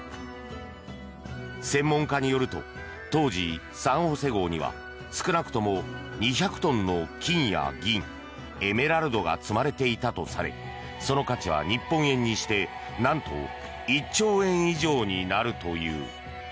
専門家によると当時「サン・ホセ号」には少なくとも２００トンの金や銀エメラルドが積まれていたとされその価値は日本円にしてなんと１兆円以上になるという。